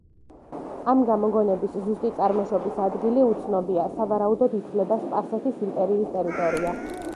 ამ გამოგონების ზუსტი წარმოშობის ადგილი უცნობია, სავარაუდოდ ითვლება სპარსეთის იმპერიის ტერიტორია.